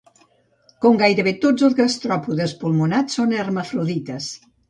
Com gairebé tots els gastròpodes pulmonats són hermafrodites.